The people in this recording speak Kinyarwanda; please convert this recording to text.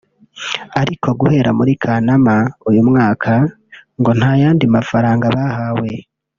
ariko guhera muri Kanama uyu mwaka ngo nta yandi mafaranga bahawe